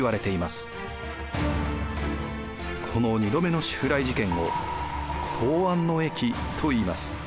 この２度目の襲来事件を弘安の役といいます。